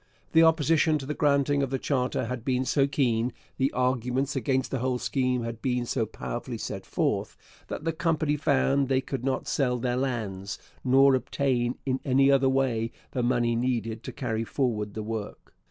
The opposition to the granting of the charter had been so keen, the arguments against the whole scheme had been so powerfully set forth, that the company found they could not sell their lands, nor obtain, in any other way, the money needed to carry forward the work.